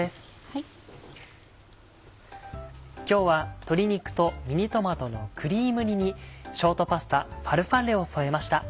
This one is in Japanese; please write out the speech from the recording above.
今日は「鶏肉とミニトマトのクリーム煮」にショートパスタファルファッレを添えました。